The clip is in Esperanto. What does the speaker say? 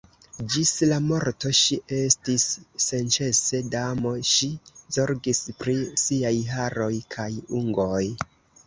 Ĝis la morto ŝi estis senĉese damo, ŝi zorgis pri siaj haroj kaj ungoj.